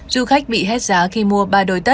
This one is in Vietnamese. du khách bị hết giá khi mua ba đồi tàu